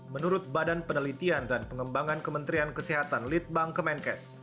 menurut badan penelitian dan pengembangan kementerian kesehatan litbang kemenkes